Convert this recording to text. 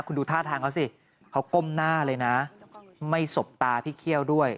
คุณดูท่าทางเขาสิเขาก้มหน้าเลยนะไม่สบตาพี่เขี้ยวด้วย